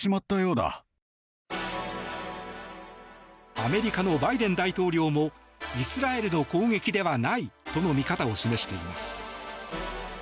アメリカのバイデン大統領もイスラエルの攻撃ではないとの見方を示しています。